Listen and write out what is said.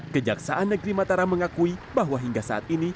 kejaksaan negeri mataram mengakui bahwa hingga saat ini